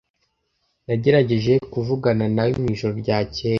Nagerageje kuvugana nawe mwijoro ryakeye.